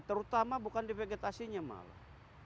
terutama bukan di vegetasinya malah